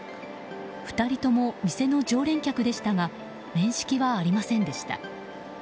２人とも店の常連客でしたが面識はありませんでした。